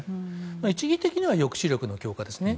一時的には抑止力の強化ですね。